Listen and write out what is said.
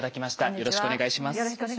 よろしくお願いします。